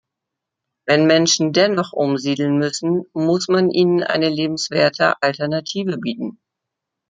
Wenn Menschen dennoch umsiedeln müssen, muss man ihnen eine lebenswerte Alternative bieten.